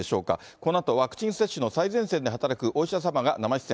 このあとワクチン接種の最前線で働くお医者様が生出演。